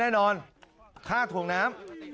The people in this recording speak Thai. แน่นอนข้างถูกน้ำ